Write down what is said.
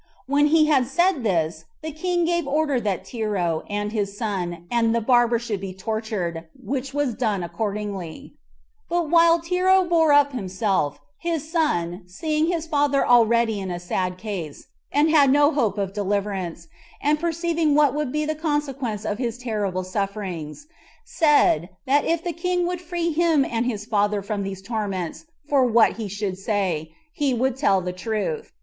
When he had said this, the king gave order that Tero, and his son, and the barber should be tortured, which was done accordingly; but while Tero bore up himself, his son seeing his father already in a sad case, and had no hope of deliverance, and perceiving what would be the consequence of his terrible sufferings, said, that if the king would free him and his father from these torments for what he should say, he would tell the truth.